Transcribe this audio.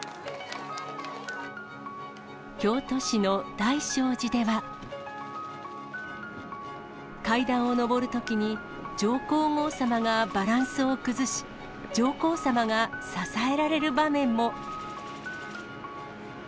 京都市の大聖寺では、階段を上るときに、上皇后さまがバランスを崩し、上皇さまが支えられる場面も。